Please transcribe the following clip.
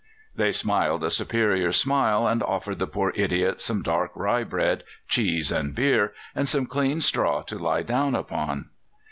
They smiled a superior smile, and offered the poor idiot some dark rye bread, cheese, and beer, and some clean straw to lie down upon.